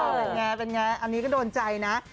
เป็นไงอันนี้ก็โดนใจนะ